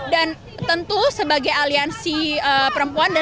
dan tentu sebagai aliansi pekerja